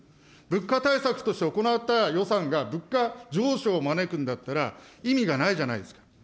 物価対策として行った予算が、物価上昇招くんだったら、意味がないじゃないですか。